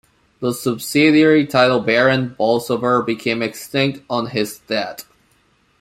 The subsidiary title Baron Bolsover became extinct on his death.